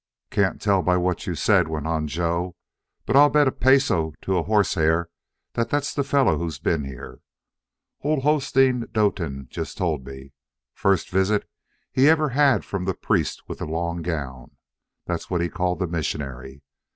"Can't tell by what you said," went on Joe. "But I'll bet a peso to a horse hair that's the fellow who's been here. Old Hosteen Doetin just told me. First visits he ever had from the priest with the long gown. That's what he called the missionary.